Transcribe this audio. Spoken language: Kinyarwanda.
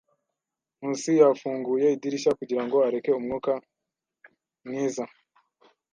Nkusi yafunguye idirishya kugirango areke umwuka mwiza.